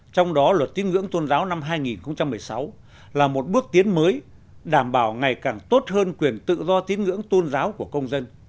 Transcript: trong đó luật tiếng ngưỡng tôn giáo năm hai nghìn một mươi sáu là một bước tiến mới đảm bảo ngày càng tốt hơn quyền tự do tín ngưỡng tôn giáo của công dân